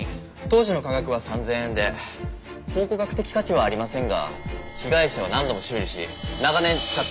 当時の価格は３０００円で考古学的価値はありませんが被害者は何度も修理し長年使っていたようです。